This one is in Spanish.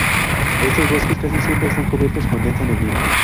Estos bosques casi siempre están cubiertos con densa neblina.